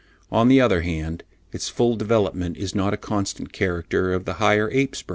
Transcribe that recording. On the other hand, its full development is not a constant character of the higher ape's brain.